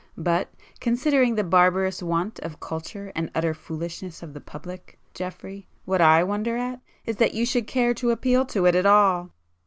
[p 176] But considering the barbarous want of culture and utter foolishness of the public, Geoffrey, what I wonder at, is that you should care to appeal to it at all!"